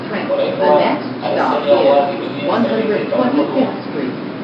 Oraingoan, are zailagoa dirudien zerbait aipatuko dugu.